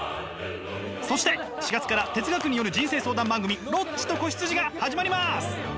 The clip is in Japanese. そして４月から哲学による人生相談番組「ロッチと子羊」が始まります！